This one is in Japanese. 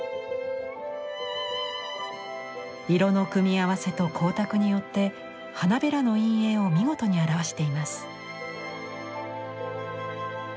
色の組み合わせと光沢によって花びらの陰影を見事に表しています。